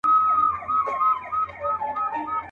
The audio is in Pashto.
د غمونو درته مخ د خوښۍ شا سي.